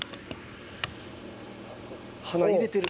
鼻入れてる。